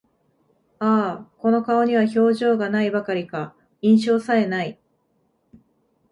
ああ、この顔には表情が無いばかりか、印象さえ無い